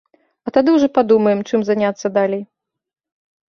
А тады ўжо падумаем чым заняцца далей.